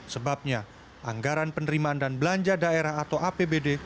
sebabnya anggaran penerimaan dan belanja daerah atau apbd